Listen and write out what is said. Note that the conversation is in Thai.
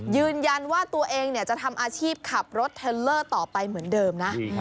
ยืนยันว่าตัวเองจะทำอาชีพขับรถเทลเลอร์ต่อไปเหมือนเดิมนะ